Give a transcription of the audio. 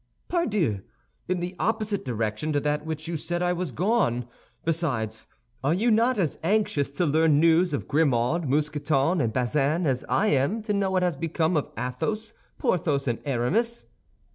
"Pardieu! In the opposite direction to that which you said I was gone. Besides, are you not as anxious to learn news of Grimaud, Mousqueton, and Bazin as I am to know what has become of Athos, Porthos, and Aramis?"